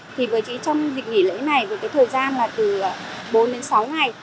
thì với trị trong dịch nghỉ lễ này với thời gian từ bốn đến sáu ngày